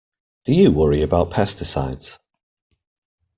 Do you worry about pesticides?